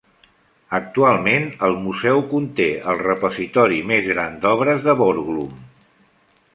Actualment el museu conté el repositori més gran d'obres de Borglum.